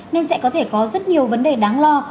nên sẽ có thể có rất nhiều vấn đề đáng lo